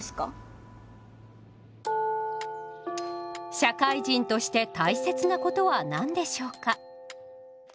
社会人として大切なことは何でしょうか？